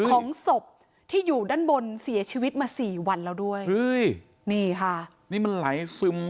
ของศพที่อยู่ด้านบนเสียชีวิตมาสี่วันแล้วด้วยอุ้ยนี่ค่ะนี่มันไหลซึม